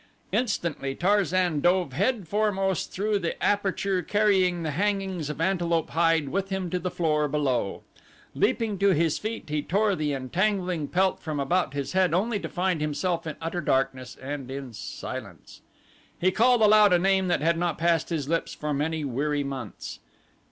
Instantly Tarzan dove headforemost through the aperture carrying the hangings of antelope hide with him to the floor below. Leaping to his feet he tore the entangling pelt from about his head only to find himself in utter darkness and in silence. He called aloud a name that had not passed his lips for many weary months.